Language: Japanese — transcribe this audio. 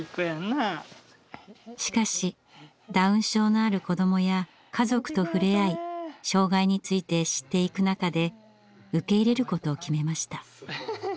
しかしダウン症のある子どもや家族と触れ合い障害について知っていく中で受け入れることを決めました。